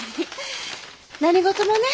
何事もね